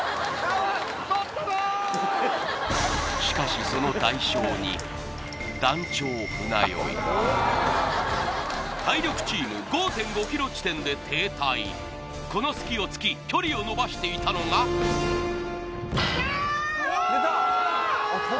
しかしその代償に団長船酔い体力チーム５．５ｋｍ地点で停滞この隙を突き距離を伸ばしていたのがきたおお！